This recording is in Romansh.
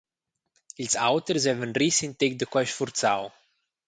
Ils auters vevan ris in tec da quei sfurzau.